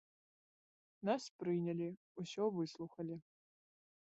Нас прынялі, усё выслухалі.